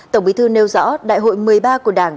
tổng bí thư nêu rõ đại hội một mươi ba của đảng